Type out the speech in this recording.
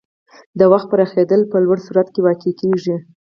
د وخت پراخېدل په لوړ سرعت کې واقع کېږي.